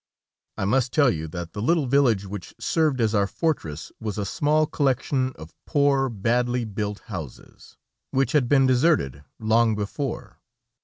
I must tell you, that the little village which served as our fortress was a small collection of poor, badly built houses, which had been deserted long before.